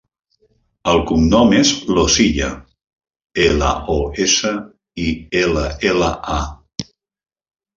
El cognom és Losilla: ela, o, essa, i, ela, ela, a.